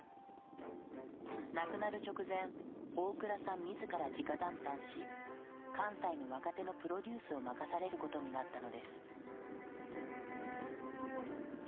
亡くなる直前大倉さん自らじか談判し関西の若手のプロデュースを任されることになったのです。